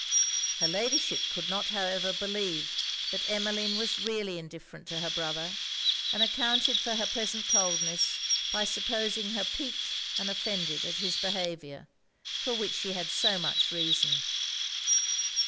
Her Ladyship could not however believe that Emmeline was really indifferent to her brother; and accounted for her present coldness by supposing her piqued and offended at his behaviour, for which she had so much reason.